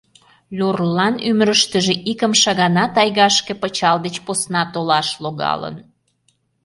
Люрллан ӱмырыштыжӧ икымше гана тайгашке пычал деч посна толаш логалын.